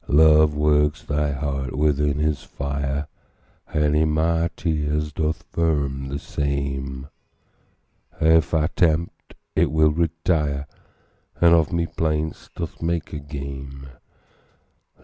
Love works thy heart within his fire, And in my tears doth firm the same; And if I tempt, it will retire, And of my plaints doth make a game.